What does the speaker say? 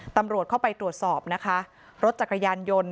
ตำรวจเข้าไปตรวจสอบนะคะรถจักรยานยนต์